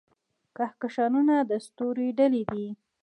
کهکشانونه د ستورو ډلې دي.